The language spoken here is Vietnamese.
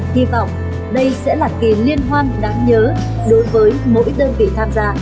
hy vọng đây sẽ là kỳ liên hoan đáng nhớ đối với mỗi đơn vị tham gia